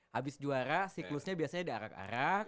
habis juara siklusnya biasanya diarak arak